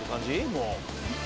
もう。